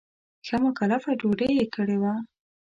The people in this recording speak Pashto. ښه مکلفه ډوډۍ یې کړې وه.